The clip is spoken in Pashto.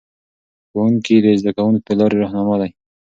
ښوونکي د زده کوونکو د لارې رهنما دي.